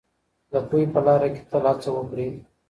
د پوهې په لاره کي تل هڅه وکړئ.